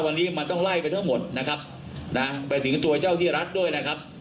วันนี้มันต้องไล่ไปทั้งหมดนะครับนะไปถึงตัวเจ้าที่รัฐด้วยนะครับ